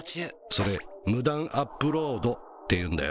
「それ無断アップロードっていうんだよ」